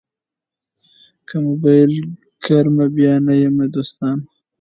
که مو بېل کړمه بیا نه یمه دوستانو